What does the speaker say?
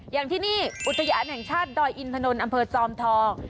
อย่างที่นี่อุทยานแห่งชาติดอยอินทนนท์อำเภอจอมทอง